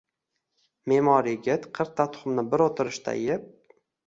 Me’mor yigit qirqta tuxumni bir o’tirishda yeb: